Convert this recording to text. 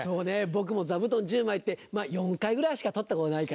僕も座布団１０枚って４回ぐらいしか取ったことないからな。